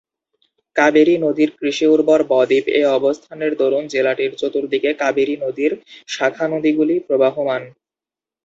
কাবেরী নদীর কৃষি উর্বর বদ্বীপ এ অবস্থানের দরুন জেলাটির চতুর্দিকে কাবেরী নদীর শাখা নদীগুলি প্রবহমান।